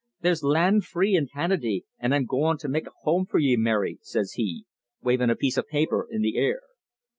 There's land free in Canaday, an' I'm goin' to make a home for ye, Mary,' says he, wavin' a piece of paper in the air.